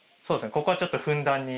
ここはちょっとふんだんに。